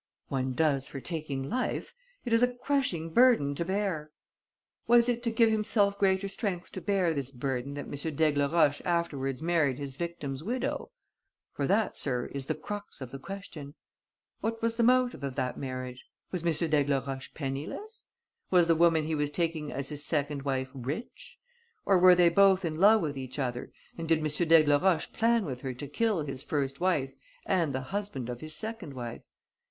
"One does for taking life. It is a crushing burden to bear." "Was it to give himself greater strength to bear this burden that M. d'Aigleroche afterwards married his victim's widow? For that, sir, is the crux of the question. What was the motive of that marriage? Was M. d'Aigleroche penniless? Was the woman he was taking as his second wife rich? Or were they both in love with each other and did M. d'Aigleroche plan with her to kill his first wife and the husband of his second wife?